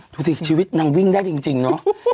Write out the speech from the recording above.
สมมุติชีวิตนังวิ่งได้จริงเนาะ